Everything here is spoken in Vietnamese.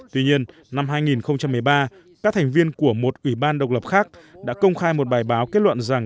tuy nhiên năm hai nghìn một mươi ba các thành viên của một ủy ban độc lập khác đã công khai một bài báo kết luận rằng